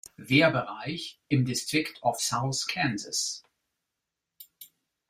Wehrbereich im "District of South Kansas".